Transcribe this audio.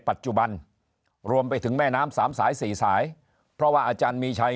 ปัจจุบันรวมไปถึงแม่น้ำสามสายสี่สายเพราะว่าอาจารย์มีชัย